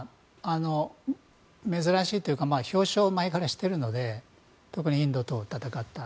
珍しいというか表彰を前からしているので特にインドと戦った。